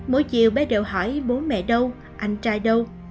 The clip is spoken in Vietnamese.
mỗi chiều bé đều hỏi bố mẹ đâu anh trai đâu